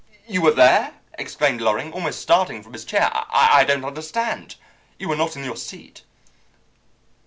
"You were there!" exclaimed Loring, almost starting from his chair. "I don't understand. You were not in your seat."